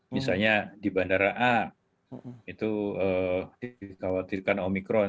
misalnya di bandara a itu dikhawatirkan omikron